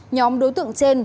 nhóm đối tượng trên